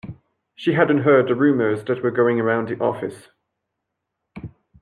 She hadn’t heard the rumours that were going around the office.